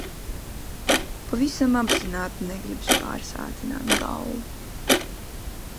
Pavisam apzināti negribas pārsātināt galvu.